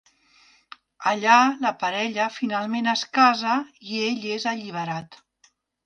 Allà la parella finalment es casa i ell és alliberat.